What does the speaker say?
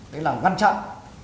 đấy là ngăn chặn